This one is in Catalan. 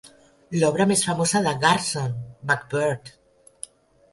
L'obra més famosa de Garson, MacBird!